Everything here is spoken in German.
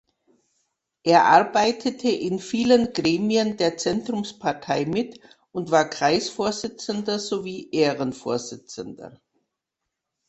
Er arbeitete in vielen Gremien der Zentrumspartei mit und war Kreisvorsitzender sowie Ehrenvorsitzender.